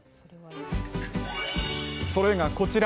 それがこちら。